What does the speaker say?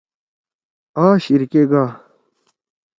آ شیِر کے گا۔